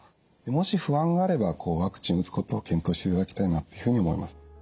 もし不安があればワクチン打つことを検討していただきたいなというふうに思います。